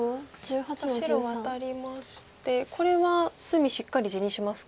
白ワタりましてこれは隅しっかり地にしますか？